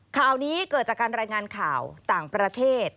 ข่าวนี้เกิดจากการรายงานข่าวต่างประเทศ